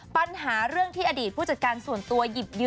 ปัญหาเรื่องที่อดีตผู้จัดการส่วนตัว